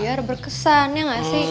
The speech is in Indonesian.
biar berkesan ya gak sih